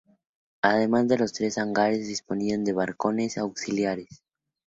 Además de los tres hangares, disponían de barracones auxiliares.